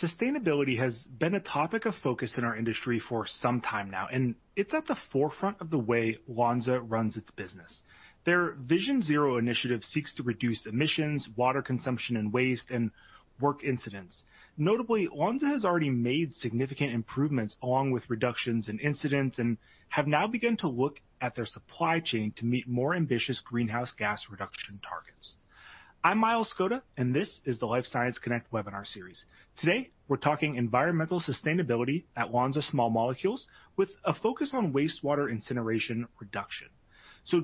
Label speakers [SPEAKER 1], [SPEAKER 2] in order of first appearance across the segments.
[SPEAKER 1] Sustainability has been a topic of focus in our industry for some time now. It's at the forefront of the way Lonza runs its business. Their Vision Zero initiative seeks to reduce emissions, water consumption and waste, and work incidents. Notably, Lonza has already made significant improvements along with reductions in incidents, and have now begun to look at their supply chain to meet more ambitious greenhouse gas reduction targets. I'm Miles Szkoda. This is the Life Science Connect Webinar Series. Today, we're talking environmental sustainability at Lonza Small Molecules with a focus on wastewater incineration reduction.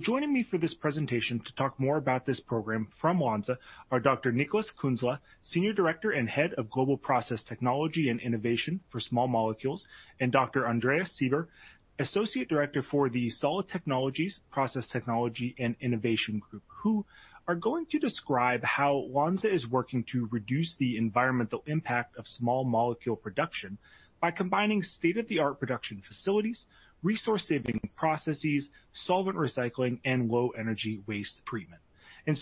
[SPEAKER 1] Joining me for this presentation to talk more about this program from Lonza are Dr. Niklaus Künzle, Senior Director and Head of Global Process Technology and Innovation for Small Molecules, and Dr. Andreas Sieber, Associate Director for the Solid Technologies Process Technology and Innovation Group, who are going to describe how Lonza is working to reduce the environmental impact of small molecule production by combining state-of-the-art production facilities, resource-saving processes, solvent recycling, and low energy waste treatment.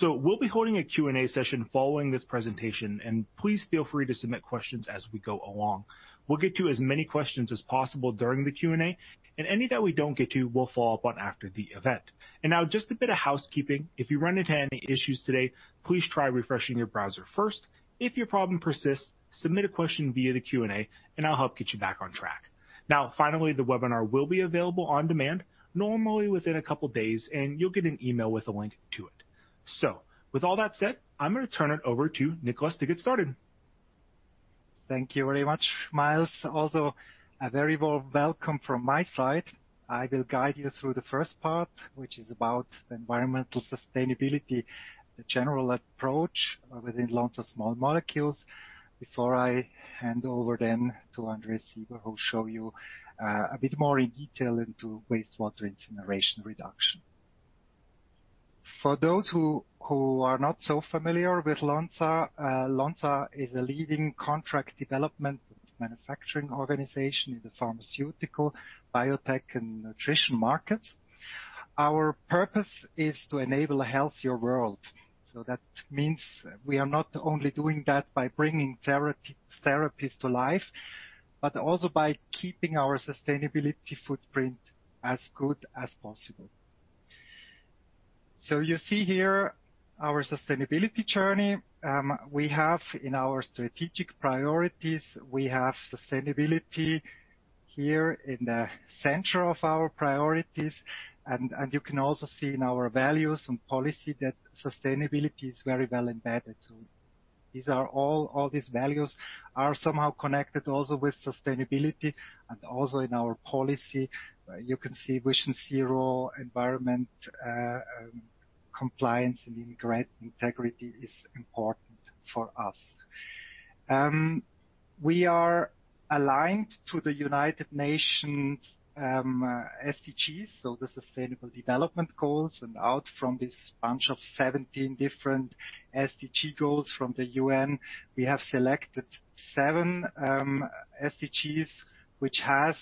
[SPEAKER 1] We'll be holding a Q&A session following this presentation, and please feel free to submit questions as we go along. We'll get to as many questions as possible during the Q&A, and any that we don't get to, we'll follow up on after the event. Now just a bit of housekeeping. If you run into any issues today, please try refreshing your browser first. If your problem persists, submit a question via the Q&A, and I'll help get you back on track. Finally, the webinar will be available on demand, normally within a couple of days, and you'll get an email with a link to it. With all that said, I'm gonna turn it over to Niklaus to get started.
[SPEAKER 2] Thank you very much, Miles. Also a very warm welcome from my side. I will guide you through the first part, which is about environmental sustainability, the general approach within Lonza Small Molecules. Before I hand over then to Andreas Sieber, who'll show you a bit more in detail into wastewater incineration reduction. For those who are not so familiar with Lonza is a leading contract development and manufacturing organization in the pharmaceutical, biotech, and nutrition markets. Our purpose is to enable a healthier world. That means we are not only doing that by bringing therapies to life, but also by keeping our sustainability footprint as good as possible. You see here our sustainability journey. We have in our strategic priorities, we have sustainability here in the center of our priorities. You can also see in our values and policy that sustainability is very well embedded. These are all these values are somehow connected also with sustainability and also in our policy. You can see Vision Zero, environment, compliance, and integrity is important for us. We are aligned to the United Nations, SDGs, so the Sustainable Development Goals. Out from this bunch of 17 different SDG goals from the UN, we have selected 7 SDGs, which have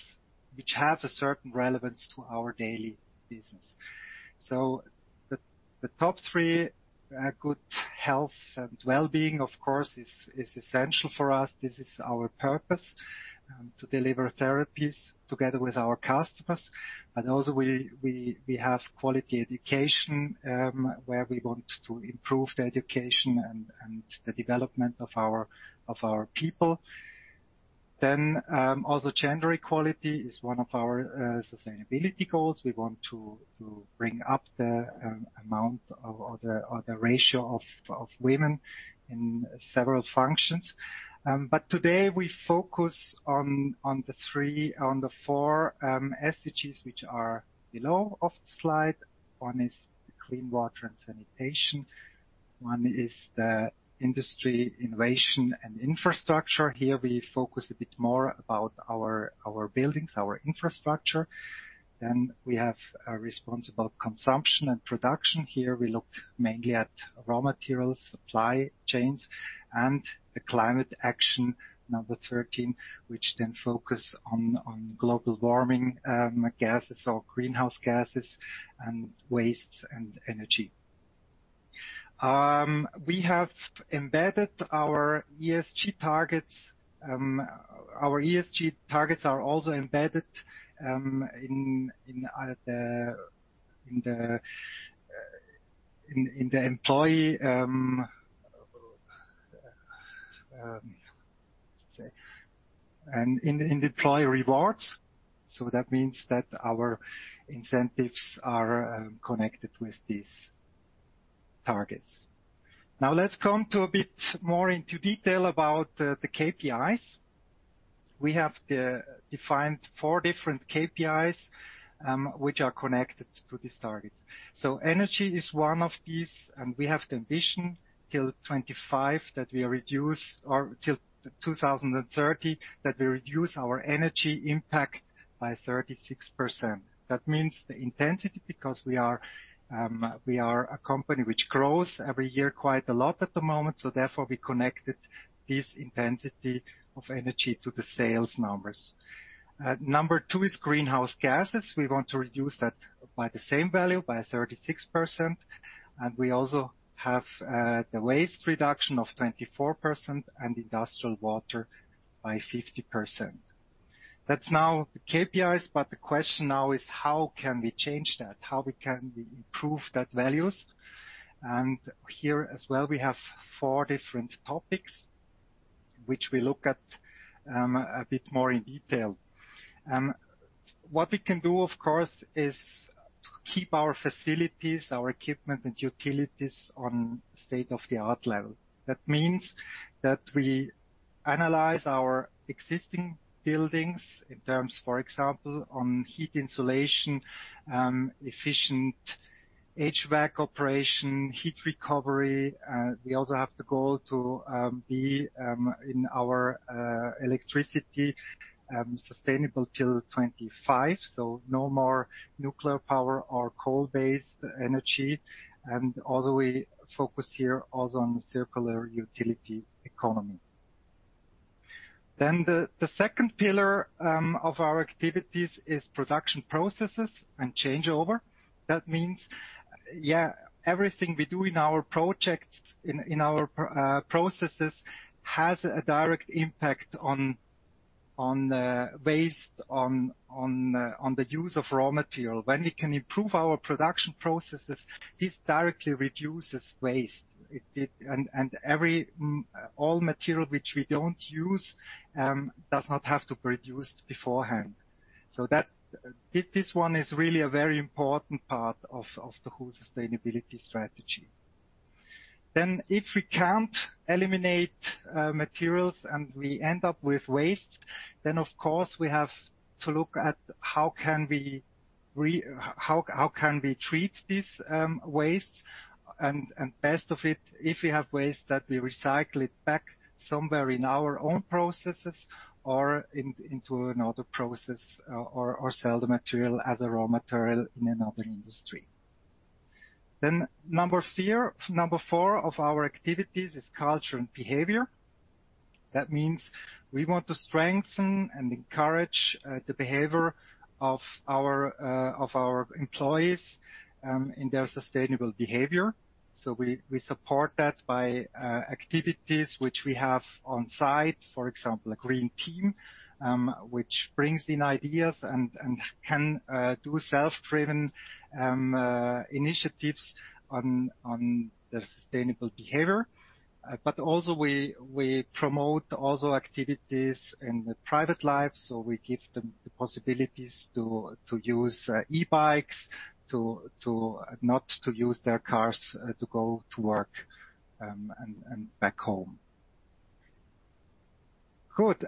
[SPEAKER 2] a certain relevance to our daily business. The top 3, good health and wellbeing, of course, is essential for us. This is our purpose to deliver therapies together with our customers. Also we have quality education, where we want to improve the education and the development of our people. Also gender equality is one of our sustainability goals. We want to bring up the amount or the ratio of women in several functions. Today we focus on the four SDGs, which are below of the slide. One is the clean water and sanitation. One is the industry, innovation, and infrastructure. Here we focus a bit more about our buildings, our infrastructure. We have a responsible consumption and production. Here we look mainly at raw materials, supply chains, and the climate action 13, which then focus on global warming gases or greenhouse gases and wastes and energy. We have embedded our ESG targets. Our ESG targets are also embedded in the employee. In employee rewards. That means that our incentives are connected with these targets. Let's come to a bit more into detail about the KPIs. We have defined 4 different KPIs, which are connected to these targets. Energy is one of these, and we have the ambition till 2025 that we reduce or till 2030 that we reduce our energy impact by 36%. That means the intensity, because we are a company which grows every year quite a lot at the moment, therefore, we connected this intensity of energy to the sales numbers. Number 2 is greenhouse gases. We want to reduce that by the same value, by 36%. We also have the waste reduction of 24% and industrial water by 50%. That's now the KPIs, but the question now is how can we change that? How we can improve that values? Here as well, we have four different topics, which we look at a bit more in detail. What we can do, of course, is to keep our facilities, our equipment and utilities on state-of-the-art level. That means that we analyze our existing buildings in terms, for example, on heat insulation, efficient HVAC operation, heat recovery. We also have the goal to be in our electricity sustainable till 25, so no more nuclear power or coal-based energy. We focus here also on the circular utility economy. The second pillar of our activities is production processes and changeover. Everything we do in our projects, in our processes has a direct impact on waste, on the use of raw material. When we can improve our production processes, this directly reduces waste. All material which we don't use does not have to produce beforehand. This one is really a very important part of the whole sustainability strategy. If we can't eliminate materials and we end up with waste, of course, we have to look at how can we treat this waste and best of it, if we have waste that we recycle it back somewhere in our own processes or into another process or sell the material as a raw material in another industry. Number 4 of our activities is culture and behavior. That means we want to strengthen and encourage the behavior of our employees in their sustainable behavior. We support that by activities which we have on site, for example, a green team, which brings in ideas and can do self-driven initiatives on the sustainable behavior. Also we promote activities in the private life, we give them the possibilities to use e-bikes, not to use their cars to go to work and back home. Good.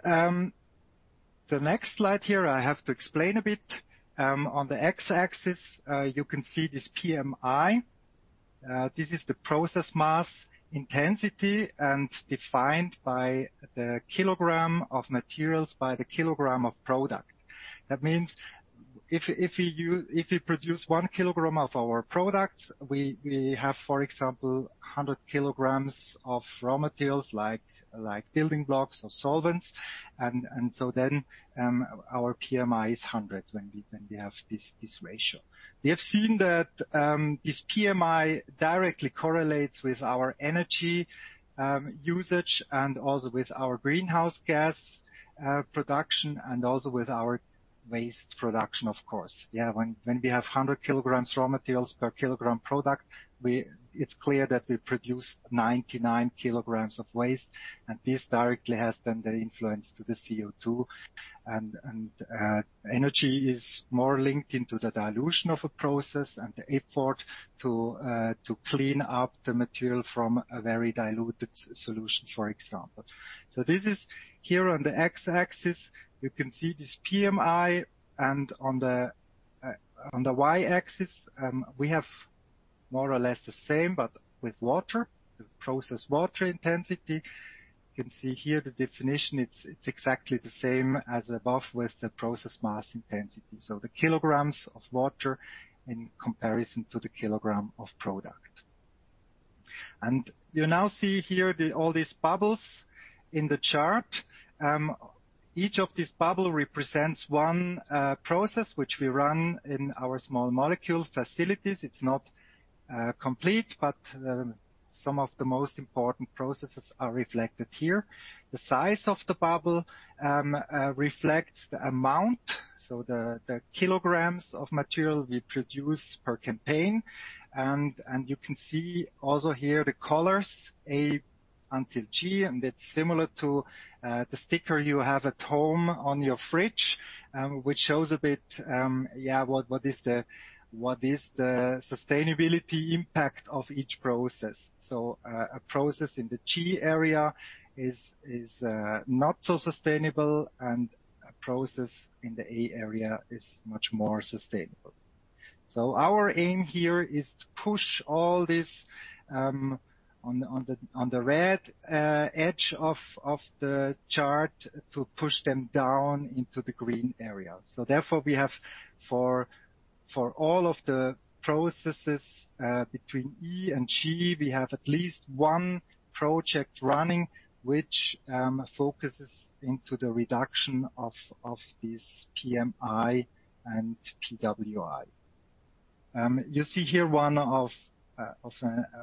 [SPEAKER 2] The next slide here, I have to explain a bit. On the X-axis, you can see this PMI. This is the Process Mass Intensity defined by the kilogram of materials by the kilogram of product. That means if we produce 1 kilogram of our products, we have, for example, 100 kilograms of raw materials like building blocks or solvents. Our PMI is 100 when we have this ratio. We have seen that this PMI directly correlates with our energy usage and also with our greenhouse gas production, and also with our waste production, of course. When we have 100 kilograms raw materials per kilogram product, it's clear that we produce 99 kilograms of waste, and this directly has the influence to the CO₂. Energy is more linked into the dilution of a process and the effort to clean up the material from a very diluted solution, for example. This is here on the X-axis, you can see this PMI. On the Y-axis, we have more or less the same but with water, the process water intensity. You can see here the definition, it's exactly the same as above with the process mass intensity. The kilograms of water in comparison to the kilogram of product. You now see here all these bubbles in the chart. Each of these bubble represents one process which we run in our small molecule facilities. It's not complete, but some of the most important processes are reflected here. The size of the bubble reflects the amount, so the kilograms of material we produce per campaign. You can see also here the colors A until G, and it's similar to the sticker you have at home on your fridge, which shows a bit what is the sustainability impact of each process. A process in the G area is not so sustainable, and a process in the A area is much more sustainable. Our aim here is to push all this on the red edge of the chart to push them down into the green area. Therefore, we have for all of the processes between E and G, we have at least one project running which focuses into the reduction of this PMI and PWI. You see here one of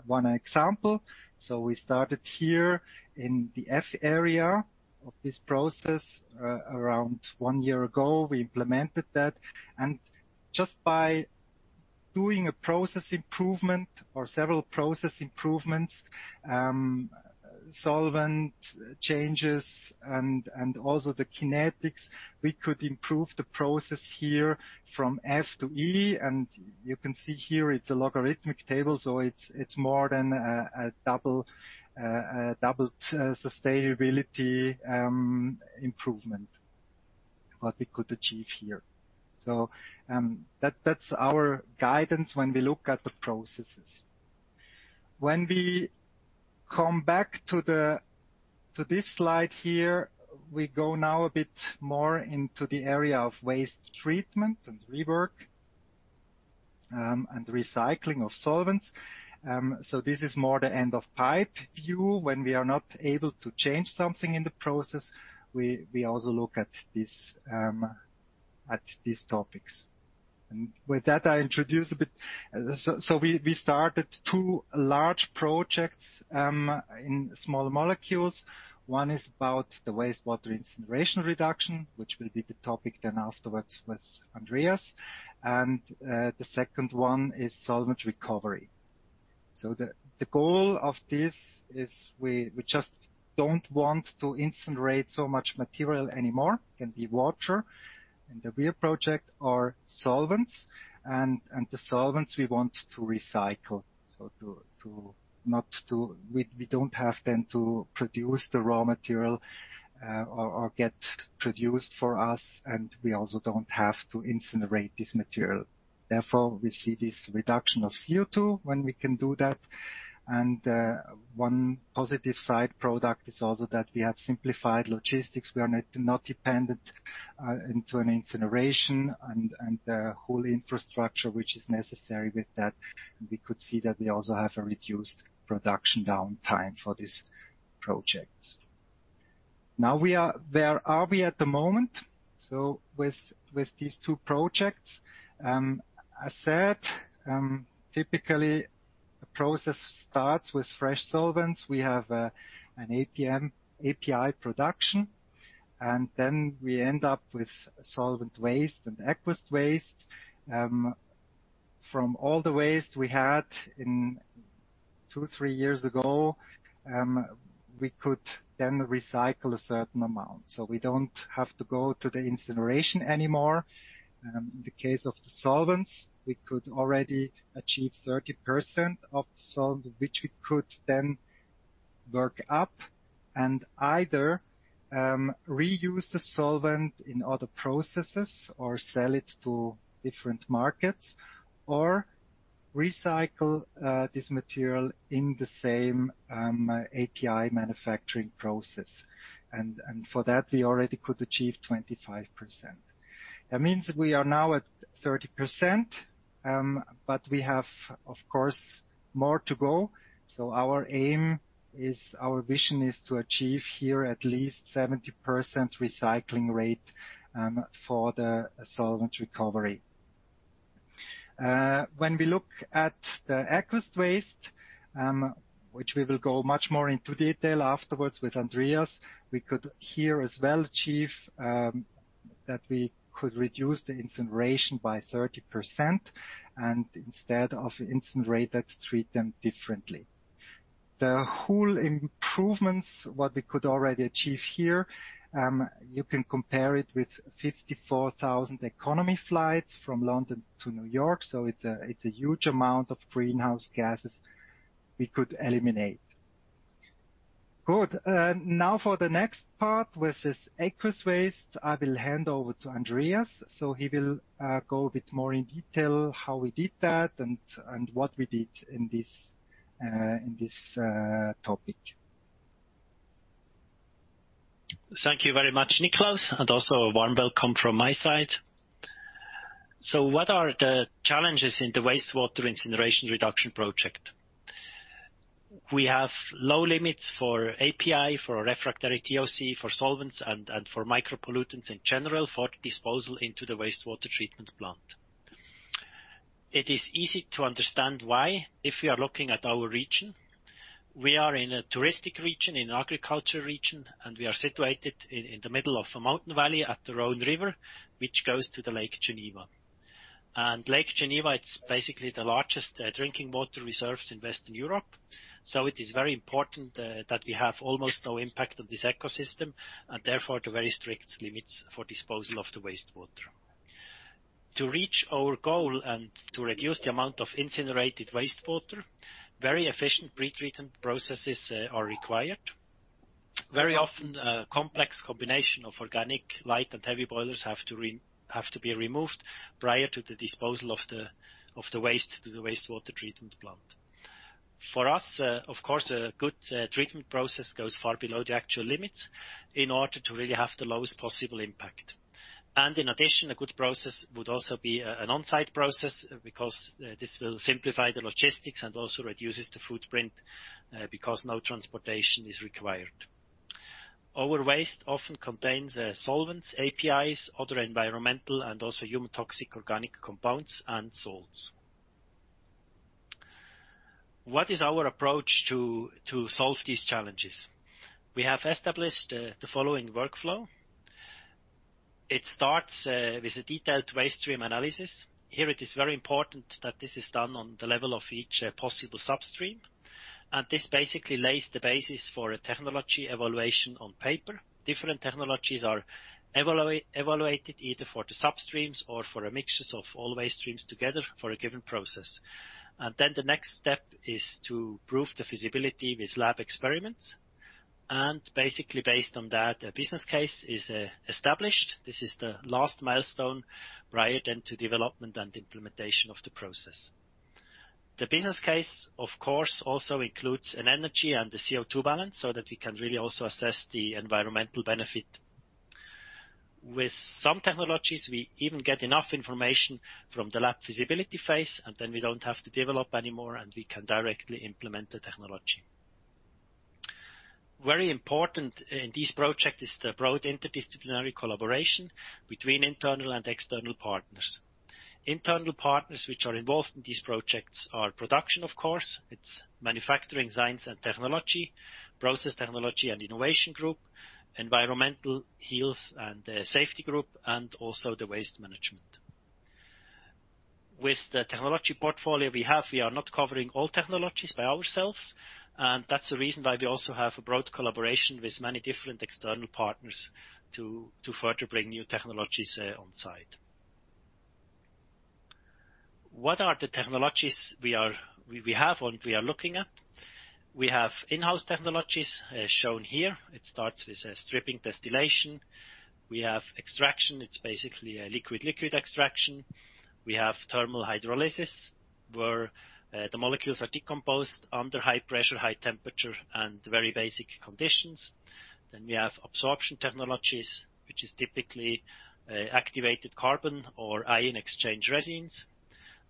[SPEAKER 2] one example. We started here in the F area of this process around one year ago, we implemented that. Just by doing a process improvement or several process improvements, solvent changes and also the kinetics, we could improve the process here from F to E. You can see here it's a logarithmic table, so it's more than a double sustainability improvement, what we could achieve here. That's our guidance when we look at the processes. When we come back to this slide here, we go now a bit more into the area of waste treatment and rework and recycling of solvents. This is more the end-of-pipe view. When we are not able to change something in the process, we also look at this at these topics. With that, I introduce a bit. We started two large projects in Small Molecules. One is about the wastewater incineration reduction, which will be the topic then afterwards with Andreas. The second one is solvent recovery. The goal of this is we just don't want to incinerate so much material anymore. Can be water. In the real project are solvents and the solvents we want to recycle. We don't have then to produce the raw material, or get produced for us. We also don't have to incinerate this material. Therefore, we see this reduction of CO₂ when we can do that. One positive side product is also that we have simplified logistics. We are not dependent into an incineration and the whole infrastructure which is necessary with that. We could see that we also have a reduced production downtime for these projects. Where are we at the moment? With these two projects, I said, typically a process starts with fresh solvents. We have an API production, we end up with solvent waste and aqueous waste. From all the waste we had in two, three years ago, we could recycle a certain amount. We don't have to go to the incineration anymore. In the case of the solvents, we could already achieve 30% of the solvent, which we could then work up and either reuse the solvent in other processes or sell it to different markets, or recycle this material in the same API manufacturing process. For that, we already could achieve 25%. That means we are now at 30%, but we have, of course, more to go. Our aim is, our vision is to achieve here at least 70% recycling rate for the solvent recovery. When we look at the aqueous waste, which we will go much more into detail afterwards with Andreas, we could here as well achieve that we could reduce the incineration by 30% and instead of incinerate that, treat them differently. The whole improvements, what we could already achieve here, you can compare it with 54,000 economy flights from London to New York. It's a huge amount of greenhouse gases we could eliminate. Good. Now for the next part, with this aqueous waste, I will hand over to Andreas. He will go a bit more in detail how we did that and what we did in this, in this topic.
[SPEAKER 3] Thank you very much, Niklaus, also a warm welcome from my side. What are the challenges in the wastewater incineration reduction project? We have low limits for API, for refractory TOC, for solvents and for micropollutants in general, for disposal into the wastewater treatment plant. It is easy to understand why, if we are looking at our region. We are in a touristic region, in agriculture region, and we are situated in the middle of a mountain valley at the Rhone River, which goes to Lake Geneva. Lake Geneva, it's basically the largest drinking water reserves in Western Europe. It is very important that we have almost no impact on this ecosystem, and therefore, the very strict limits for disposal of the wastewater. To reach our goal and to reduce the amount of incinerated wastewater, very efficient pretreatment processes are required. Very often, a complex combination of organic, light and heavy boilers have to be removed prior to the disposal of the waste to the wastewater treatment plant. For us, of course, a good treatment process goes far below the actual limits in order to really have the lowest possible impact. In addition, a good process would also be an on-site process because this will simplify the logistics and also reduces the footprint because no transportation is required. Our waste often contains solvents, APIs, other environmental and also human toxic organic compounds and salts. What is our approach to solve these challenges? We have established the following workflow. It starts with a detailed waste stream analysis. Here it is very important that this is done on the level of each possible substream. This basically lays the basis for a technology evaluation on paper. Different technologies are evaluated either for the substreams or for a mixtures of all waste streams together for a given process. The next step is to prove the feasibility with lab experiments, and basically based on that, a business case is established. This is the last milestone prior then to development and implementation of the process. The business case, of course, also includes an energy and the CO₂ balance so that we can really also assess the environmental benefit. With some technologies, we even get enough information from the lab feasibility phase, and then we don't have to develop anymore, and we can directly implement the technology. Very important, in this project is the broad interdisciplinary collaboration between internal and external partners. Internal partners which are involved in these projects are production, of course. It's Manufacturing Science and Technology, Process Technology and Innovation Group, environmental, health and safety group, and also the waste management. With the technology portfolio we have, we are not covering all technologies by ourselves, and that's the reason why we also have a broad collaboration with many different external partners to further bring new technologies on site. What are the technologies we have and we are looking at? We have in-house technologies shown here. It starts with a stripping distillation. We have extraction. It's basically a liquid-liquid extraction. We have thermal hydrolysis, where the molecules are decomposed under high pressure, high temperature and very basic conditions. We have absorption technologies, which is typically activated carbon or ion-exchange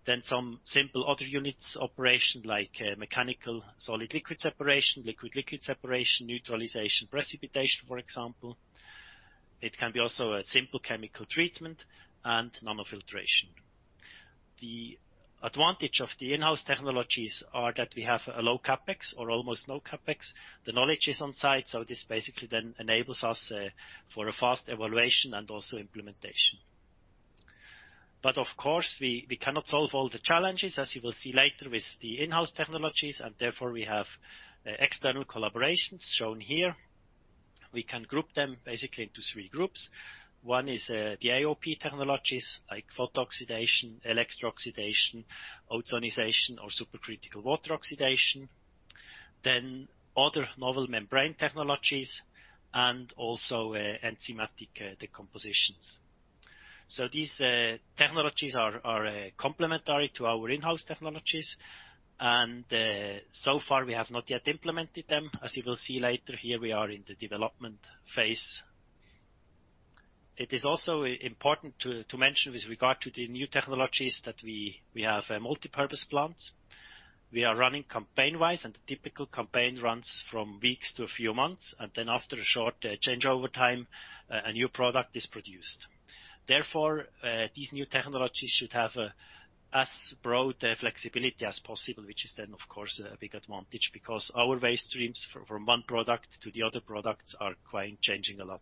[SPEAKER 3] resins. Some simple other units operation like mechanical solid liquid separation, liquid-liquid separation, neutralization, precipitation, for example. It can be also a simple chemical treatment and nanofiltration. The advantage of the in-house technologies are that we have a low CapEx or almost no CapEx. The knowledge is on-site, so this basically then enables us for a fast evaluation and also implementation. Of course, we cannot solve all the challenges, as you will see later, with the in-house technologies, and therefore we have external collaborations shown here. We can group them basically into three groups. One is the AOP technologies like photooxidation, electro-oxidation, ozonation or supercritical water oxidation. Other novel membrane technologies and also enzymatic decompositions. These technologies are complementary to our in-house technologies, and so far, we have not yet implemented them. As you will see later, here we are in the development phase. It is also important to mention with regard to the new technologies that we have multipurpose plants. We are running campaign-wise, and a typical campaign runs from weeks to a few months, and then after a short changeover time, a new product is produced. Therefore, these new technologies should have as broad flexibility as possible, which is then of course a big advantage because our waste streams from one product to the other products are quite changing a lot.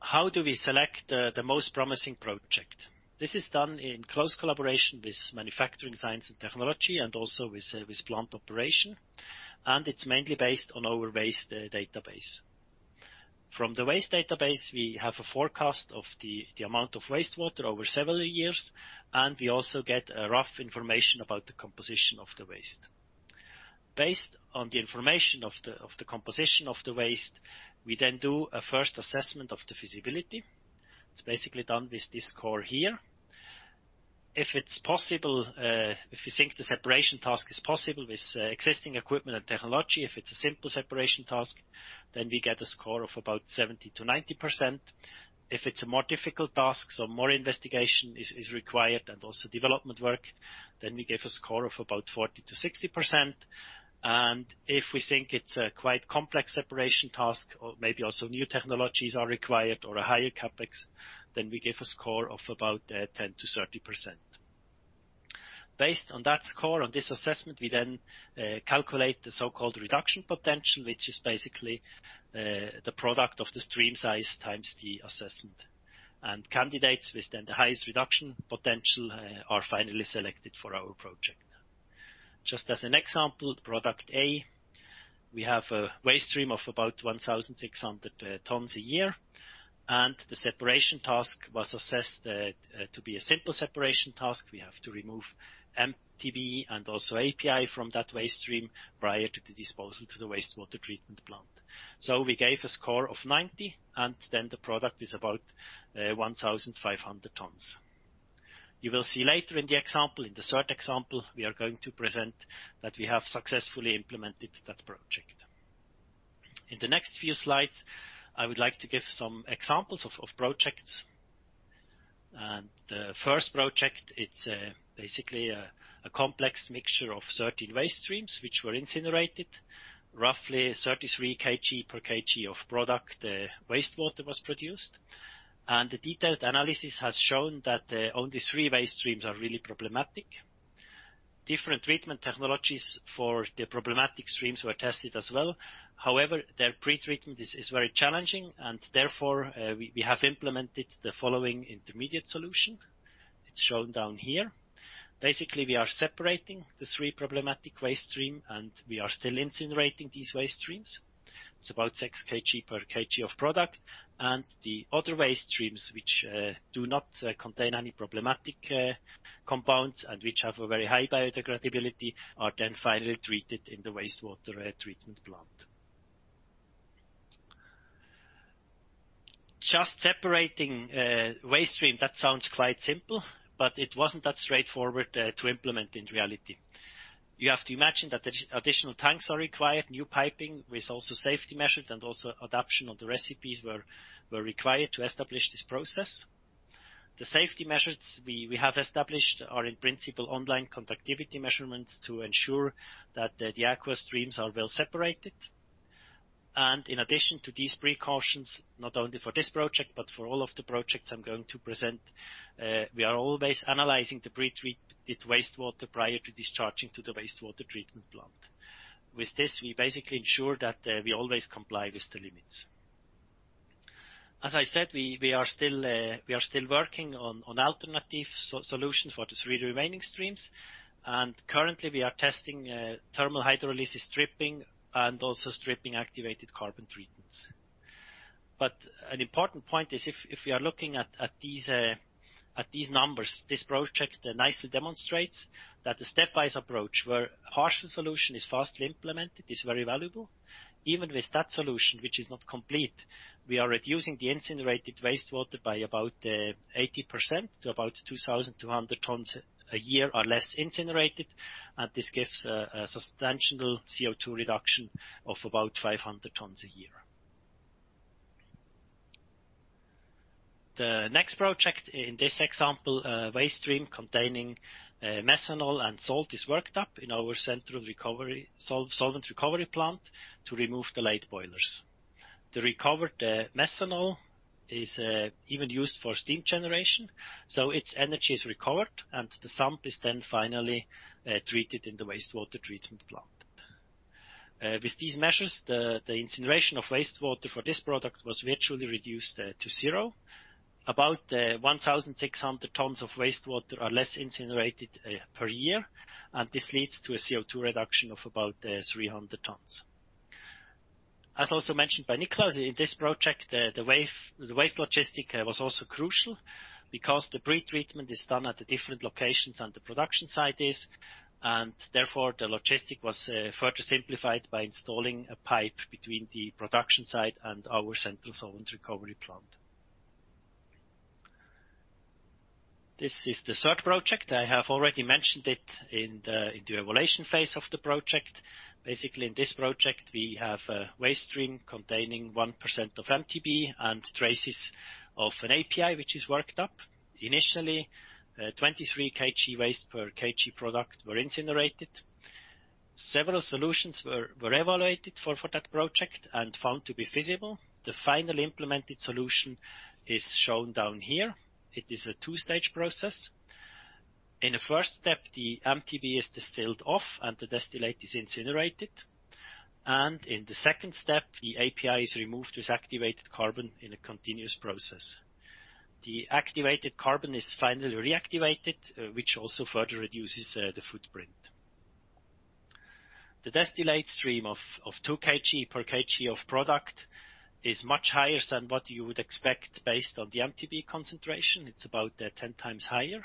[SPEAKER 3] How do we select the most promising project? This is done in close collaboration with Manufacturing Science and Technology and also with plant operation. It's mainly based on our waste database. From the waste database, we have a forecast of the amount of wastewater over several years, and we also get rough information about the composition of the waste. Based on the information of the composition of the waste, we then do a first assessment of the feasibility. It's basically done with this score here. If it's possible, if we think the separation task is possible with existing equipment and technology, if it's a simple separation task, then we get a score of about 70%-90%. If it's a more difficult task, more investigation is required and also development work, then we give a score of about 40%-60%. If we think it's a quite complex separation task or maybe also new technologies are required or a higher CapEx, then we give a score of about 10%-30%. Based on that score, on this assessment, we then calculate the so-called reduction potential, which is basically the product of the stream size times the assessment. Candidates with then the highest reduction potential are finally selected for our project. Just as an example, product A, we have a waste stream of about 1,600 tons a year, and the separation task was assessed to be a simple separation task. We have to remove MTBE and also API from that waste stream prior to the disposal to the wastewater treatment plant. We gave a score of 90, then the product is about 1,500 tons. You will see later in the example, in the third example we are going to present that we have successfully implemented that project. In the next few slides, I would like to give some examples of projects. The first project, it's basically a complex mixture of 13 waste streams which were incinerated. Roughly 33 kg per kg of product, wastewater was produced. The detailed analysis has shown that only 3 waste streams are really problematic. Different treatment technologies for the problematic streams were tested as well. However, their pre-treatment is very challenging and therefore, we have implemented the following intermediate solution. It's shown down here. Basically, we are separating the 3 problematic waste stream, and we are still incinerating these waste streams. It's about 6 kg per kg of product. The other waste streams which do not contain any problematic compounds and which have a very high biodegradability, are then finally treated in the wastewater treatment plant. Just separating waste stream, that sounds quite simple, but it wasn't that straightforward to implement in reality. You have to imagine that additional tanks are required, new piping with also safety measures and also adaption of the recipes were required to establish this process. The safety measures we have established are in principle online conductivity measurements to ensure that the aqua streams are well separated. In addition to these precautions, not only for this project but for all of the projects I'm going to present, we are always analyzing the pre-treated wastewater prior to discharging to the wastewater treatment plant. With this, we basically ensure that we always comply with the limits. As I said, we are still working on alternative solutions for the three remaining streams. Currently, we are testing thermal hydrolysis stripping and also stripping activated carbon treatments. An important point is if we are looking at these numbers, this project nicely demonstrates that the stepwise approach where partial solution is fast implemented is very valuable. Even with that solution, which is not complete, we are reducing the incinerated wastewater by about 80% to about 2,200 tons a year are less incinerated, and this gives a substantial CO₂ reduction of about 500 tons a year. The next project in this example, waste stream containing methanol and salt is worked up in our central solvent recovery plant to remove the light boilers. The recovered methanol is even used for steam generation, so its energy is recovered and the sump is then finally treated in the wastewater treatment plant. With these measures, the incineration of wastewater for this product was virtually reduced to zero. About 1,600 tons of wastewater are less incinerated per year, and this leads to a CO₂ reduction of about 300 tons. As also mentioned by Niklaus, in this project, the waste logistic was also crucial because the pre-treatment is done at the different locations than the production site is, therefore, the logistic was further simplified by installing a pipe between the production site and our central solvent recovery plant. This is the third project. I have already mentioned it in the evaluation phase of the project. Basically, in this project, we have a waste stream containing 1% of MTBE and traces of an API which is worked up. Initially, 23 kg waste per kg product were incinerated. Several solutions were evaluated for that project found to be feasible. The final implemented solution is shown down here. It is a two-stage process. In the first step, the MTBE is distilled off and the distillate is incinerated. In the second step, the API is removed with activated carbon in a continuous process. The activated carbon is finally reactivated, which also further reduces the footprint. The distillate stream of 2 kg per kg of product is much higher than what you would expect based on the MTBE concentration. It's about 10 times higher.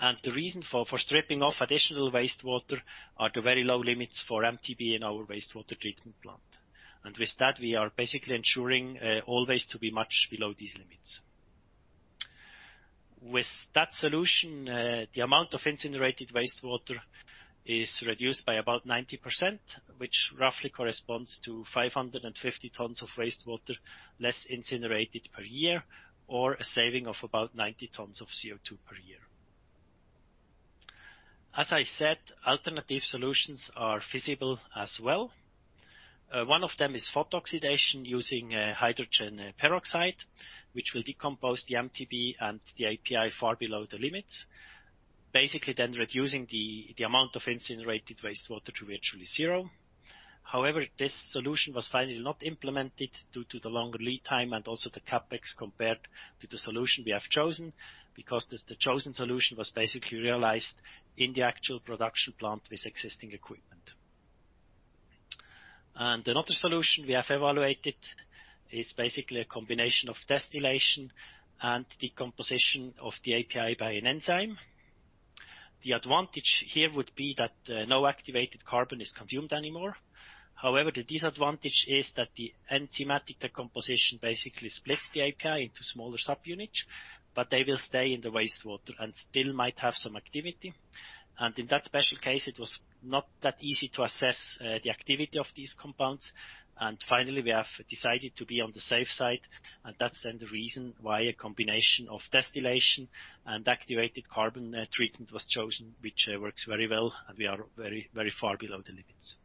[SPEAKER 3] The reason for stripping off additional wastewater are the very low limits for MTBE in our wastewater treatment plant. With that, we are basically ensuring always to be much below these limits. With that solution, the amount of incinerated wastewater is reduced by about 90%, which roughly corresponds to 550 tons of wastewater less incinerated per year, or a saving of about 90 tons of CO₂ per year. As I said, alternative solutions are feasible as well. One of them is photooxidation using hydrogen peroxide, which will decompose the MTBE and the API far below the limits, basically then reducing the amount of incinerated wastewater to virtually zero. However, this solution was finally not implemented due to the longer lead time and also the CapEx compared to the solution we have chosen, because the chosen solution was basically realized in the actual production plant with existing equipment. Another solution we have evaluated is basically a combination of distillation and decomposition of the API by an enzyme. The advantage here would be that no activated carbon is consumed anymore. However, the disadvantage is that the enzymatic decomposition basically splits the API into smaller subunits, but they will stay in the wastewater and still might have some activity. In that special case, it was not that easy to assess the activity of these compounds. Finally, we have decided to be on the safe side, and that's then the reason why a combination of distillation and activated carbon treatment was chosen, which works very well, and we are very far below the limits.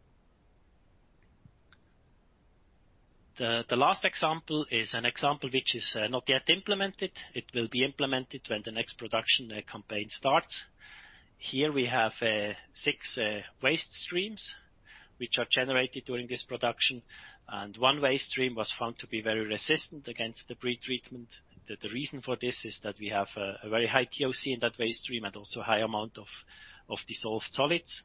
[SPEAKER 3] The last example is an example which is not yet implemented. It will be implemented when the next production campaign starts. Here we have six waste streams which are generated during this production, and one waste stream was found to be very resistant against the pretreatment. The reason for this is that we have a very high TOC in that waste stream, and also high amount of dissolved solids.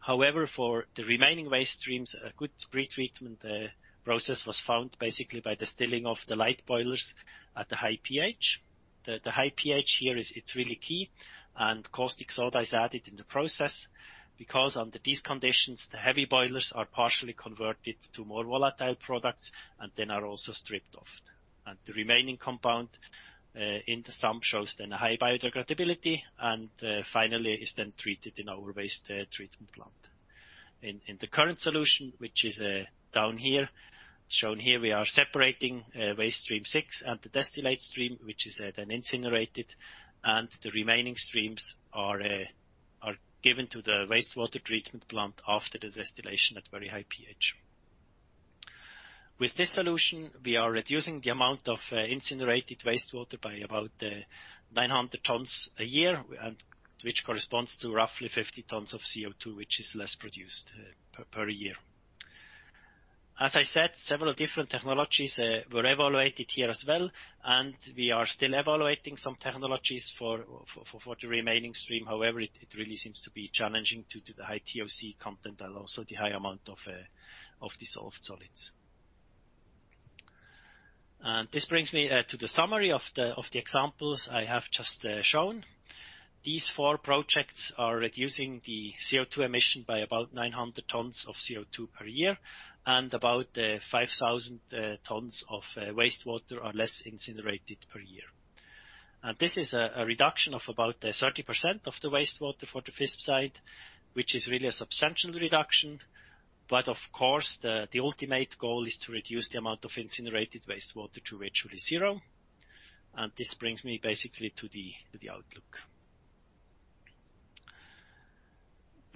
[SPEAKER 3] However, for the remaining waste streams, a good pretreatment process was found basically by distilling off the light boilers at the high pH. The high pH here is really key, and caustic soda is added in the process because under these conditions, the heavy boilers are partially converted to more volatile products and then are also stripped off. The remaining compound in the sump shows then a high biodegradability and finally is then treated in our waste treatment plant. In the current solution, which is down here, shown here, we are separating waste stream six and the distillate stream, which is then incinerated, and the remaining streams are given to the wastewater treatment plant after the distillation at very high pH. With this solution, we are reducing the amount of incinerated wastewater by about 900 tons a year and which corresponds to roughly 50 tons of CO2, which is less produced per year. As I said, several different technologies were evaluated here as well, and we are still evaluating some technologies for the remaining stream. However, it really seems to be challenging due to the high TOC content and also the high amount of dissolved solids. This brings me to the summary of the examples I have just shown. These 4 projects are reducing the CO2 emission by about 900 tons of CO2 per year and about 5,000 tons of wastewater are less incinerated per year. This is a reduction of about 30% of the wastewater for the Visp site, which is really a substantial reduction. Of course, the ultimate goal is to reduce the amount of incinerated wastewater to virtually 0. This brings me basically to the outlook.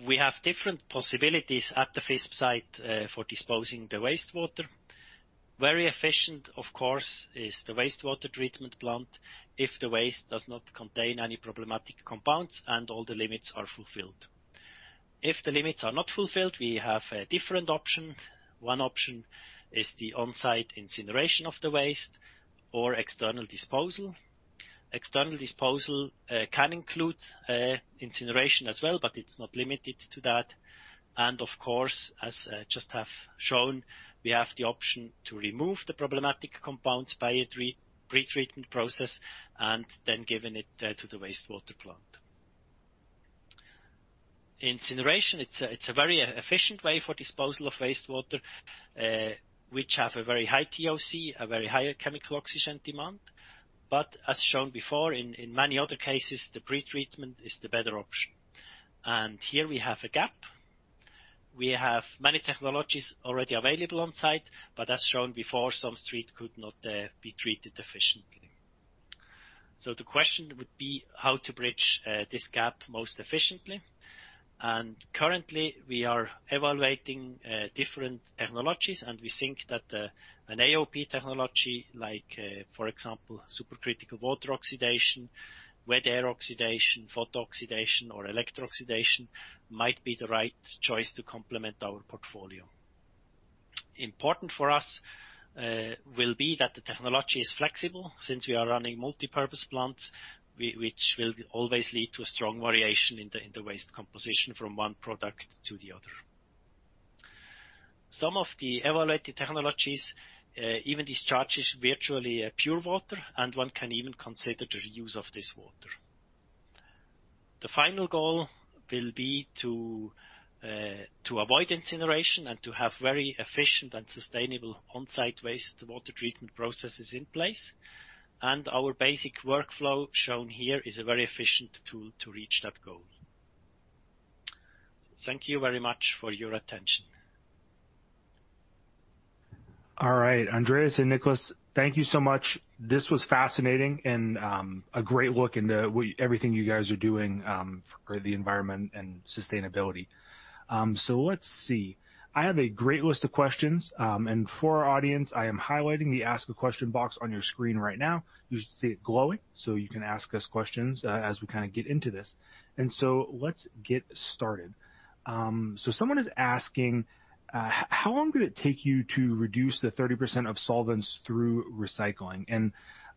[SPEAKER 3] We have different possibilities at the Visp site for disposing the wastewater. Very efficient, of course, is the wastewater treatment plant if the waste does not contain any problematic compounds and all the limits are fulfilled. If the limits are not fulfilled, we have different options. One option is the on-site incineration of the waste or external disposal. External disposal can include incineration as well, but it's not limited to that. Of course, as I just have shown, we have the option to remove the problematic compounds via pretreatment process and then giving it to the wastewater plant. Incineration, it's a very efficient way for disposal of wastewater which have a very high TOC, a very high chemical oxygen demand. As shown before in many other cases, the pretreatment is the better option. Here we have a gap. We have many technologies already available on-site, but as shown before, some streams could not be treated efficiently. The question would be how to bridge this gap most efficiently. Currently, we are evaluating different technologies, and we think that an AOP technology like, for example, supercritical water oxidation, wet air oxidation, photooxidation or electro-oxidation might be the right choice to complement our portfolio. Important for us will be that the technology is flexible since we are running multipurpose plants which will always lead to a strong variation in the, in the waste composition from one product to the other. Some of the evaluated technologies even discharges virtually pure water, and one can even consider the reuse of this water. The final goal will be to avoid incineration and to have very efficient and sustainable on-site wastewater treatment processes in place. Our basic workflow shown here is a very efficient tool to reach that goal. Thank you very much for your attention.
[SPEAKER 1] All right. Andreas and Nicholas, thank you so much. This was fascinating and a great look into everything you guys are doing for the environment and sustainability. Let's see. I have a great list of questions. For our audience, I am highlighting the Ask a Question box on your screen right now. You should see it glowing, so you can ask us questions as we kinda get into this. Let's get started. Someone is asking, "How long did it take you to reduce the 30% of solvents through recycling?"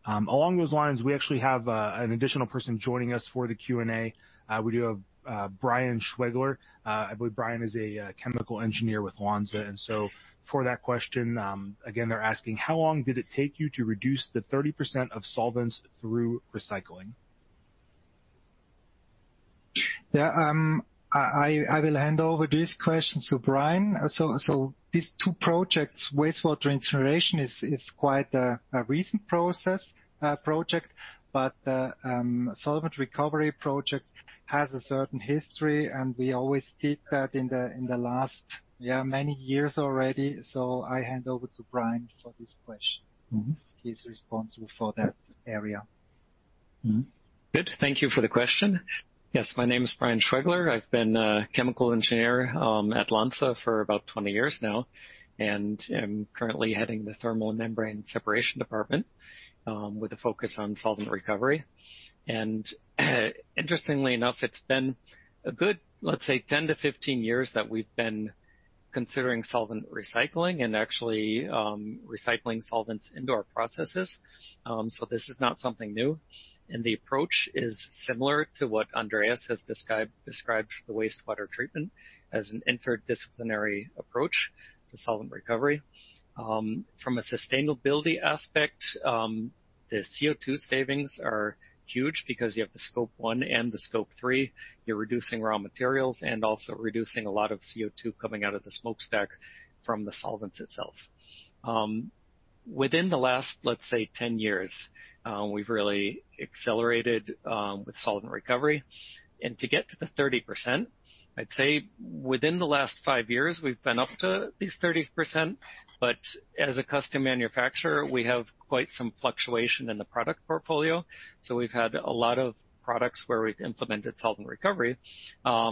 [SPEAKER 1] Along those lines, we actually have an additional person joining us for the Q&A. We do have Brian Schwegler. I believe Brian is a chemical engineer with Lonza. For that question, again, they're asking, "How long did it take you to reduce the 30% of solvents through recycling?
[SPEAKER 3] I will hand over this question to Brian. These two projects, wastewater incineration is quite a recent process project, but solvent recovery project has a certain history, and we always did that in the last many years already. I hand over to Brian for this question. He's responsible for that area.
[SPEAKER 4] Good. Thank you for the question. My name is Brian Schwegler. I've been a chemical engineer at Lonza for about 20 years now, and I'm currently heading the Thermal & Membrane Separations with a focus on solvent recovery. Interestingly enough, it's been a good, let's say, 10-15 years that we've been considering solvent recycling and actually recycling solvents into our processes. This is not something new. The approach is similar to what Andreas has described for the wastewater treatment as an interdisciplinary approach to solvent recovery. From a sustainability aspect, the CO₂ savings are huge because you have the Scope 1 and the Scope 3. You're reducing raw materials and also reducing a lot of CO₂ coming out of the smokestack from the solvents itself. Within the last, let's say, 10 years, we've really accelerated with solvent recovery. To get to the 30%, I'd say within the last 5 years, we've been up to at least 30%. As a custom manufacturer, we have quite some fluctuation in the product portfolio. We've had a lot of products where we've implemented solvent recovery,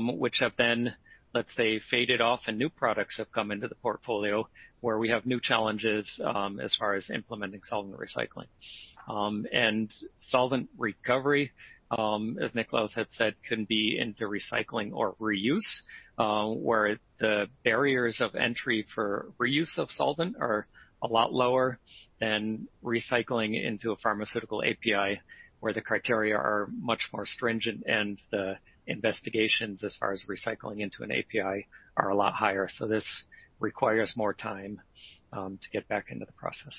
[SPEAKER 4] which have been, let's say, faded off, and new products have come into the portfolio where we have new challenges, as far as implementing solvent recycling. Solvent recovery, as Nicolas had said, can be into recycling or reuse, where the barriers of entry for reuse of solvent are a lot lower than recycling into a pharmaceutical API, where the criteria are much more stringent and the investigations as far as recycling into an API are a lot higher. This requires more time to get back into the process.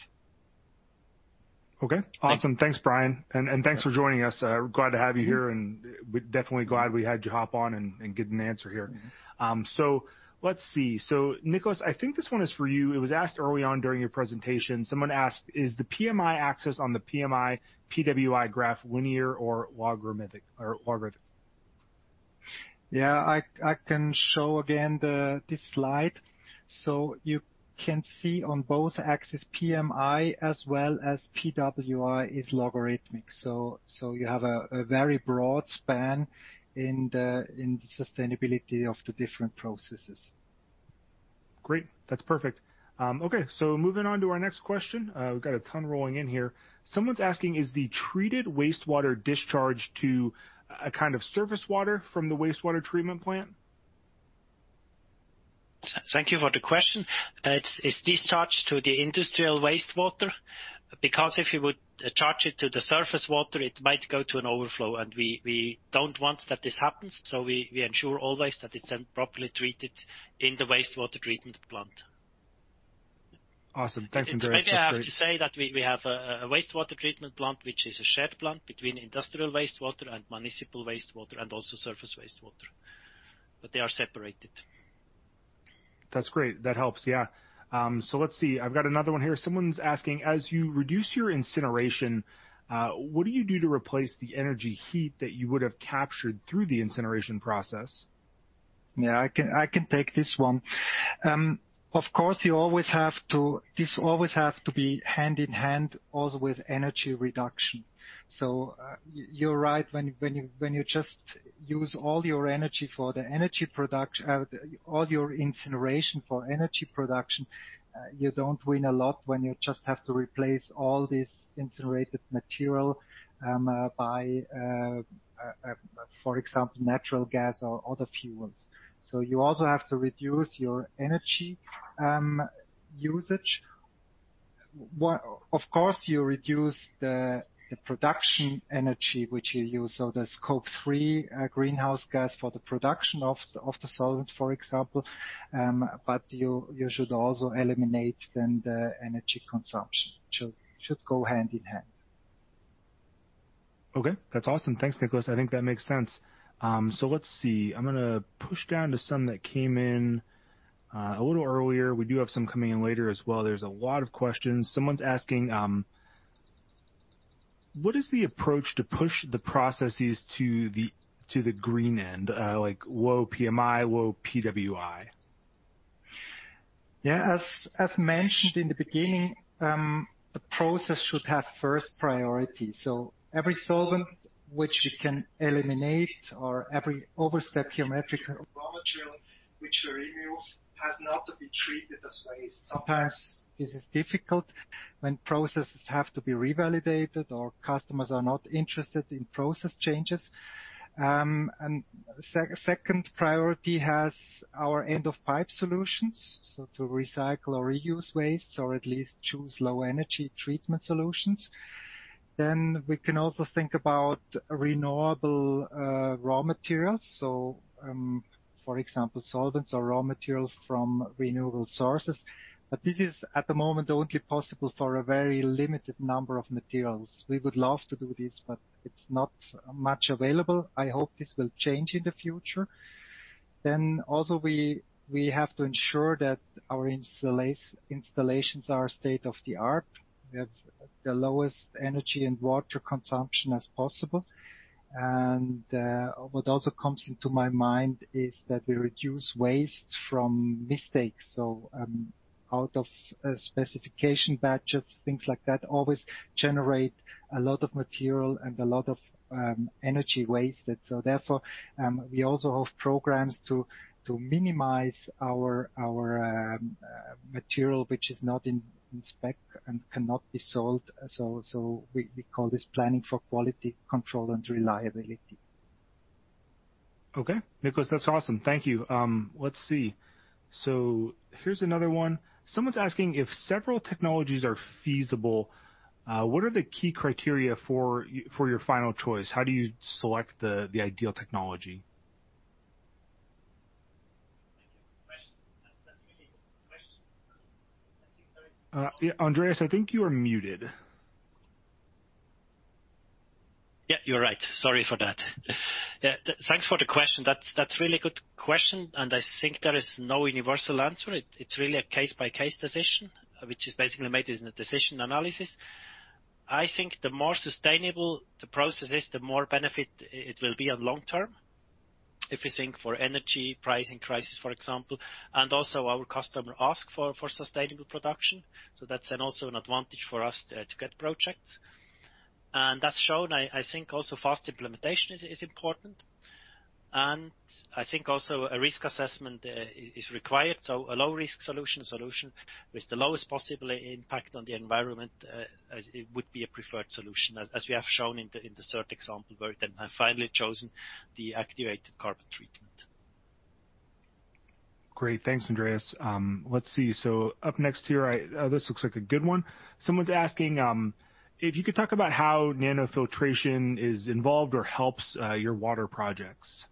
[SPEAKER 1] Okay. Awesome.
[SPEAKER 4] Thank you.
[SPEAKER 1] Thanks, Brian. Thanks for joining us. Glad to have you here, and we're definitely glad we had you hop on and get an answer here. Let's see. Nicolas, I think this one is for you. It was asked early on during your presentation, someone asked, "Is the PMI access on the PMI PWI graph linear or logarithmic?
[SPEAKER 2] Yeah. I can show again this slide. You can see on both axis, PMI as well as PWI is logarithmic. You have a very broad span in the sustainability of the different processes.
[SPEAKER 1] Great. That's perfect. Okay, moving on to our next question. We've got a ton rolling in here. Someone's asking, "Is the treated wastewater discharged to a kind of surface water from the wastewater treatment plant?
[SPEAKER 4] Thank you for the question. It's discharged to the industrial wastewater because if you would charge it to the surface water, it might go to an overflow, and we don't want that this happens. We ensure always that it's then properly treated in the wastewater treatment plant.
[SPEAKER 1] Awesome. Thank you very much for that.
[SPEAKER 4] Maybe I have to say that we have a wastewater treatment plant, which is a shared plant between industrial wastewater and municipal wastewater, and also surface wastewater. They are separated.
[SPEAKER 1] That's great. That helps. Yeah. Let's see. I've got another one here. Someone's asking, "As you reduce your incineration, what do you do to replace the energy heat that you would have captured through the incineration process?
[SPEAKER 2] Yeah, I can take this one. Of course, you always have to this always have to be hand in hand also with energy reduction. You're right, when you just use all your energy for the energy product-- all your incineration for energy production, you don't win a lot when you just have to replace all this incinerated material by, for example, natural gas or other fuels. You also have to reduce your energy usage. Well, of course, you reduce the production energy which you use. The Scope 3 greenhouse gas for the production of the solvent, for example. You should also eliminate then the energy consumption. Should go hand in hand.
[SPEAKER 1] Okay, that's awesome. Thanks, Nicolas. I think that makes sense. Let's see. I'm gonna push down to some that came in a little earlier. We do have some coming in later as well. There's a lot of questions. Someone's asking, "What is the approach to push the processes to the green end? Like low PMI, low PWI.
[SPEAKER 2] Yeah. As mentioned in the beginning, the process should have first priority. Every solvent which you can eliminate or every overstep geometric or raw material which you remove has not to be treated as waste. Sometimes this is difficult when processes have to be revalidated or customers are not interested in process changes. Second priority has our end-of-pipe solutions, to recycle or reuse waste or at least choose low energy treatment solutions. We can also think about renewable raw materials. For example, solvents or raw materials from renewable sources. This is at the moment, only possible for a very limited number of materials. We would love to do this, but it's not much available. I hope this will change in the future. Also we have to ensure that our installations are state-of-the-art. We have the lowest energy and water consumption as possible. What also comes into my mind is that we reduce waste from mistakes. Out of specification batches, things like that always generate a lot of material and a lot of energy wasted. Therefore, we also have programs to minimize our material, which is not in spec and cannot be sold. so we call this planning for quality control and reliability.
[SPEAKER 1] Niklaus, that's awesome. Thank you. Let's see. Here's another one. Someone's asking if several technologies are feasible, what are the key criteria for your final choice? How do you select the ideal technology?
[SPEAKER 3] Thank you. Question. That's really a good question. I think there is...
[SPEAKER 1] Yeah, Andreas, I think you are muted.
[SPEAKER 3] Yeah, you're right. Sorry for that. Thanks for the question. That's really good question, I think there is no universal answer. It's really a case-by-case decision, which is basically made as in a decision analysis. I think the more sustainable the process is, the more benefit it will be on long term. If we think for energy pricing crisis, for example, and also our customer ask for sustainable production. That's an also an advantage for us to get projects. That's shown, I think also fast implementation is important. I think also a risk assessment is required. A low-risk solution with the lowest possible impact on the environment as it would be a preferred solution as we have shown in the CERT example where then have finally chosen the activated carbon treatment.
[SPEAKER 1] Great. Thanks, Andreas. Let's see. Up next here, this looks like a good one. Someone's asking, if you could talk about how nanofiltration is involved or helps your water projects.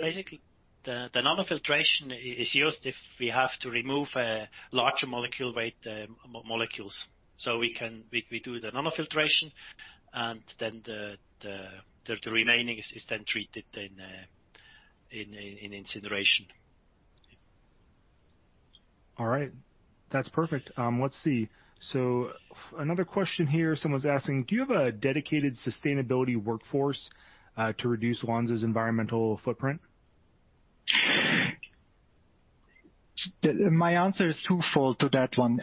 [SPEAKER 3] Basically, the nanofiltration is used if we have to remove larger molecule weight molecules. We do the nanofiltration, and then the remaining is then treated in incineration.
[SPEAKER 1] All right. That's perfect. let's see. Another question here, someone's asking, do you have a dedicated sustainability workforce, to reduce LANXESS's environmental footprint?
[SPEAKER 2] My answer is twofold to that one.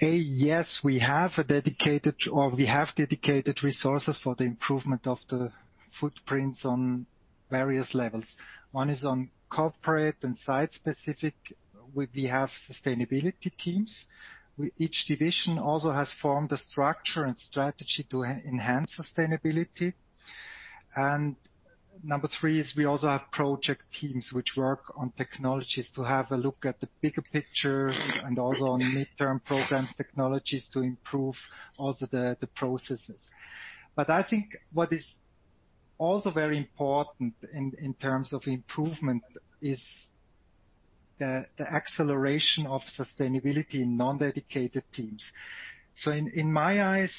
[SPEAKER 2] Yes, we have a dedicated or we have dedicated resources for the improvement of the footprints on various levels. One is on corporate and site-specific. We have sustainability teams. Each division also has formed a structure and strategy to enhance sustainability. Number three is we also have project teams which work on technologies to have a look at the bigger pictures and also on midterm programs, technologies to improve also the processes. I think what is also very important in terms of improvement is the acceleration of sustainability in non-dedicated teams. In my eyes,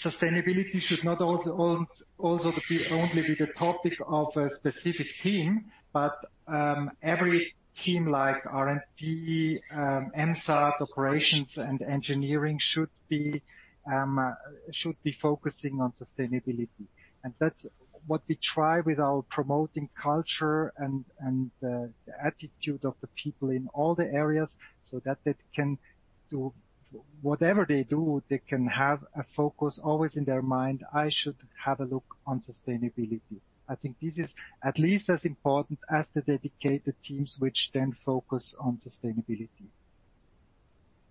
[SPEAKER 2] sustainability should not also be only the topic of a specific team, but every team like R&D, MSAT, operations, and engineering should be focusing on sustainability. That's what we try with our promoting culture and the attitude of the people in all the areas so that they can do, whatever they do, they can have a focus always in their mind, "I should have a look on sustainability." I think this is at least as important as the dedicated teams which then focus on sustainability.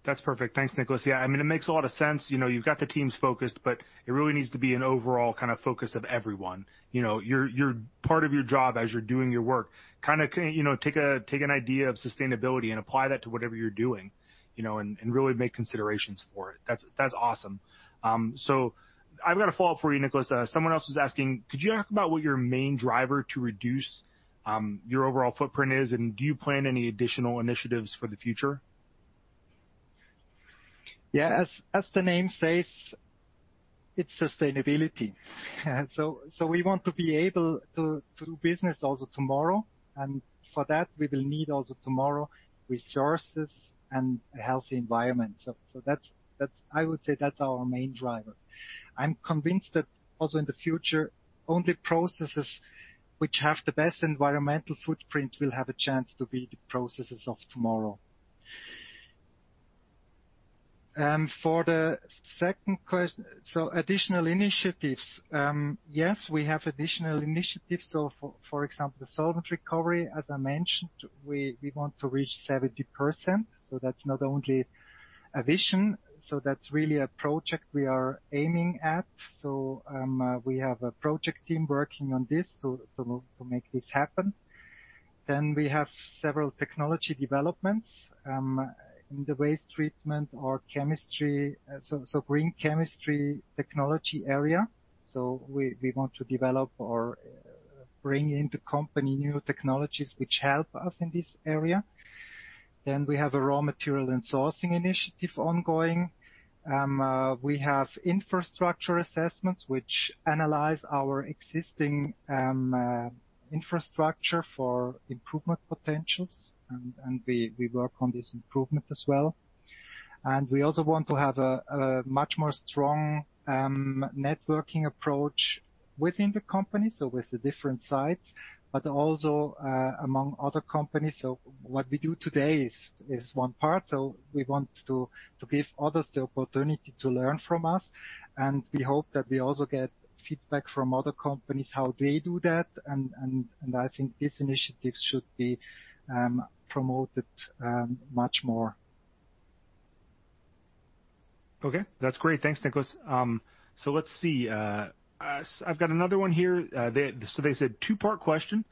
[SPEAKER 1] That's perfect. Thanks, Niklaus. I mean, it makes a lot of sense. You know, you've got the teams focused, but it really needs to be an overall kind of focus of everyone. You know, your part of your job as you're doing your work, take an idea of sustainability and apply that to whatever you're doing, you know, and really make considerations for it. That's awesome. I've got a follow-up for you, Niklaus. Someone else is asking, could you talk about what your main driver to reduce your overall footprint is, and do you plan any additional initiatives for the future?
[SPEAKER 2] As the name says, it's sustainability. We want to be able to do business also tomorrow. For that, we will need also tomorrow resources and a healthy environment. I would say that's our main driver. I'm convinced that also in the future, only processes which have the best environmental footprint will have a chance to be the processes of tomorrow. For the second quest. Additional initiatives, yes, we have additional initiatives. For example, the solvent recovery, as I mentioned, we want to reach 70%, that's not only a vision. That's really a project we are aiming at. We have a project team working on this to make this happen. We have several technology developments in the waste treatment or so green chemistry technology area. We want to develop or bring into company new technologies which help us in this area. We have a raw material and sourcing initiative ongoing. We have infrastructure assessments which analyze our existing infrastructure for improvement potentials, and we work on this improvement as well. We also want to have a much more strong networking approach within the company, so with the different sites, but also among other companies. What we do today is one part. We want to give others the opportunity to learn from us, and we hope that we also get feedback from other companies, how they do that. I think this initiative should be promoted much more.
[SPEAKER 1] Okay, that's great. Thanks, Niklaus. Let's see. I've got another one here. They said 2-part question.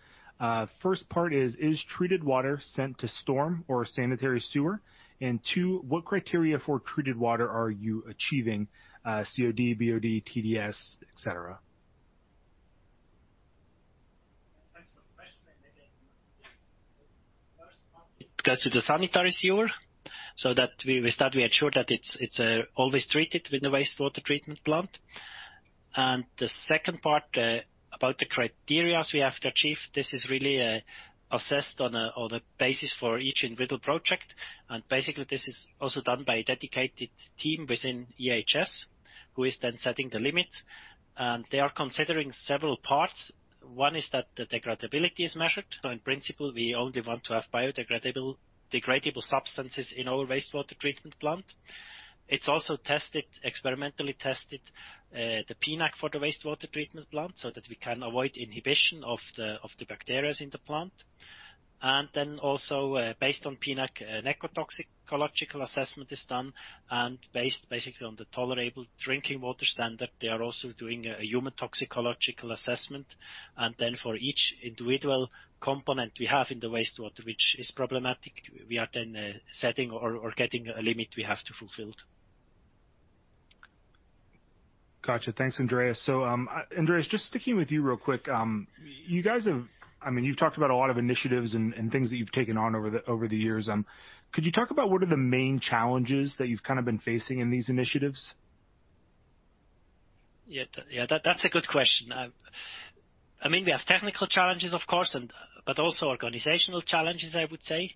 [SPEAKER 1] First part is treated water sent to storm or sanitary sewer? 2, what criteria for treated water are you achieving, COD, BOD, TDS, et cetera?
[SPEAKER 3] Thanks for the question. Again, first one, it goes to the sanitary sewer, so that we ensure that it's always treated with the wastewater treatment plant. The second part about the criterias we have to achieve, this is really assessed on a basis for each individual project. Basically, this is also done by a dedicated team within EHS, who is then setting the limits. They are considering several parts. One is that the degradability is measured. So in principle, we only want to have degradable substances in our wastewater treatment plant. It's also tested, experimentally tested, the PNEC for the wastewater treatment plant so that we can avoid inhibition of the bacterias in the plant. Then also, based on PNEC, an ecotoxicological assessment is done. Based basically on the tolerable drinking water standard, they are also doing a human toxicological assessment. Then for each individual component we have in the wastewater which is problematic, we are then setting or getting a limit we have to fulfill.
[SPEAKER 1] Gotcha. Thanks, Andreas. Andreas, just sticking with you real quick. I mean, you've talked about a lot of initiatives and things that you've taken on over the, over the years. Could you talk about what are the main challenges that you've kind of been facing in these initiatives?
[SPEAKER 3] Yeah, that's a good question. I mean, we have technical challenges, of course, but also organizational challenges, I would say.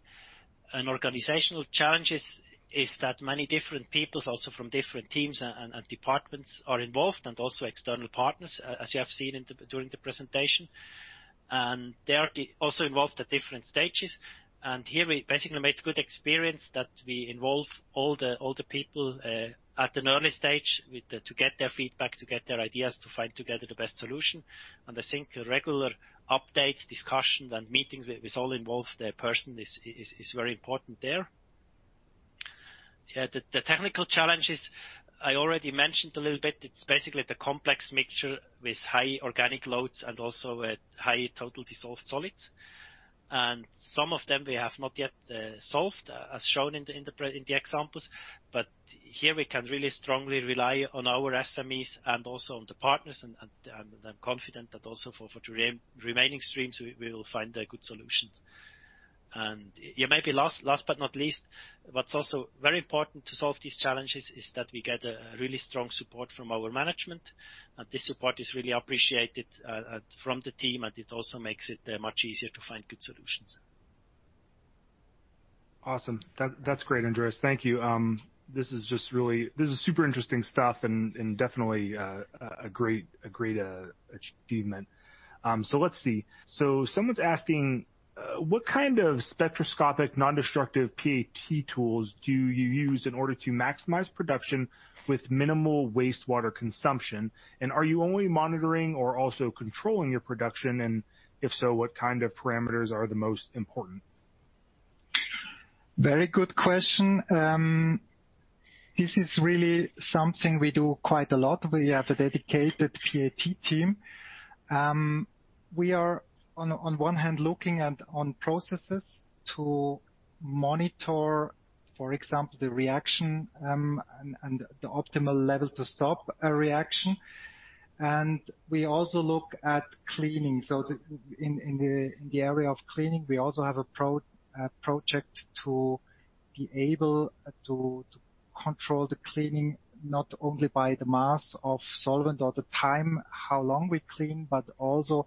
[SPEAKER 3] Organizational challenges is that many different people, also from different teams and departments, are involved, and also external partners, as you have seen during the presentation. They are also involved at different stages. Here we basically made good experience that we involve all the people at an early stage to get their feedback, to get their ideas, to find together the best solution. I think regular updates, discussions, and meetings with all involved persons is very important there. Yeah. The technical challenges I already mentioned a little bit. It's basically the complex mixture with high organic loads and also with high total dissolved solids. Some of them we have not yet solved, as shown in the examples. Here we can really strongly rely on our SMEs and also on the partners. I'm confident that also for the remaining streams, we will find a good solution. Yeah, maybe last but not least, what's also very important to solve these challenges is that we get a really strong support from our management. This support is really appreciated from the team, and it also makes it much easier to find good solutions.
[SPEAKER 1] Awesome. That's great, Andreas. Thank you. This is just really. This is super interesting stuff and definitely a great achievement. Let's see. Someone's asking, what kind of spectroscopic non-destructive PAT tools do you use in order to maximize production with minimal wastewater consumption? Are you only monitoring or also controlling your production? If so, what kind of parameters are the most important?
[SPEAKER 2] Very good question. This is really something we do quite a lot. We have a dedicated PAT team. We are on one hand looking at on processes to monitor, for example, the reaction, and the optimal level to stop a reaction. We also look at cleaning. In the area of cleaning, we also have a project to be able to control the cleaning not only by the mass of solvent or the time, how long we clean, but also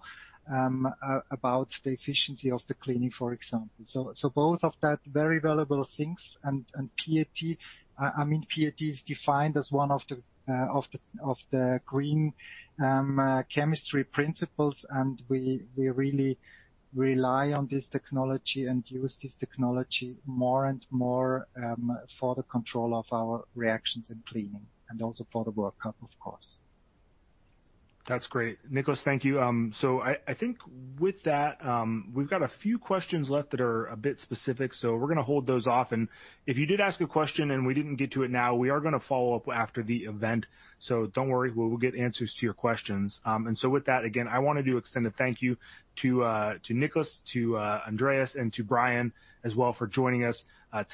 [SPEAKER 2] about the efficiency of the cleaning, for example. Both of that, very valuable things. PAT, I mean, PAT is defined as one of the green chemistry principles, and we really rely on this technology and use this technology more and more for the control of our reactions and cleaning, and also for the work-up, of course.
[SPEAKER 1] That's great. Niklaus, thank you. I think with that, we've got a few questions left that are a bit specific, so we're gonna hold those off. If you did ask a question and we didn't get to it now, we are gonna follow up after the event. Don't worry, we will get answers to your questions. With that, again, I wanted to extend a thank you to Niklaus, to Andreas, and to Brian as well for joining us,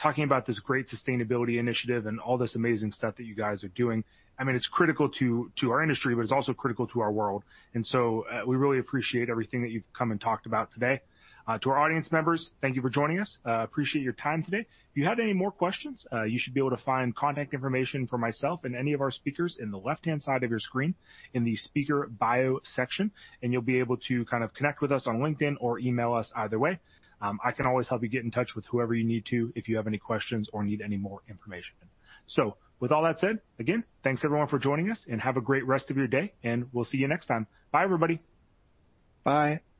[SPEAKER 1] talking about this great sustainability initiative and all this amazing stuff that you guys are doing. I mean, it's critical to our industry, but it's also critical to our world. We really appreciate everything that you've come and talked about today. To our audience members, thank you for joining us. Appreciate your time today. If you have any more questions, you should be able to find contact information for myself and any of our speakers in the left-hand side of your screen in the speaker bio section, and you'll be able to kind of connect with us on LinkedIn or email us either way. I can always help you get in touch with whoever you need to if you have any questions or need any more information. With all that said, again, thanks everyone for joining us, and have a great rest of your day, and we'll see you next time. Bye, everybody.
[SPEAKER 2] Bye.
[SPEAKER 3] Bye.